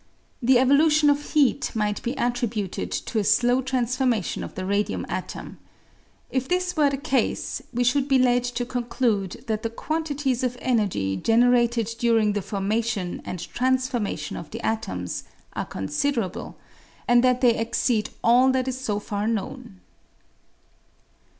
The evolution of heat might be attributed to a slow transformation of the radium atom. If this were the case, we should be led to conclude that the quantities of energy generated, during the formation and trans formation of the atoms, are considerable, and that they exceed all that is so far known.